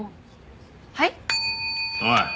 はい？